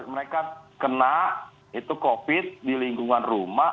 mereka kena itu covid di lingkungan rumah